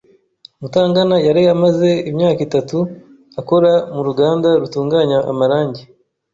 Mutangana yari amaze imyaka itatu akora mu ruganda rutunganya amarangi.